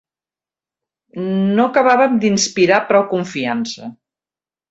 ...no acabàvem d'inspirar prou confiança